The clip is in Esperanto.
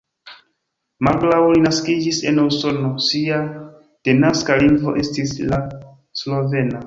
Malgraŭ li naskiĝis en Usono, sia denaska lingvo estis la slovena.